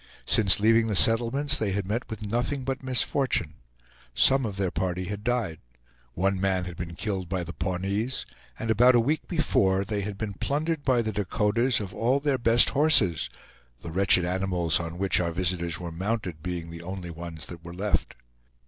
Since leaving the settlements, they had met with nothing but misfortune. Some of their party had died; one man had been killed by the Pawnees; and about a week before, they had been plundered by the Dakotas of all their best horses, the wretched animals on which our visitors were mounted being the only ones that were left.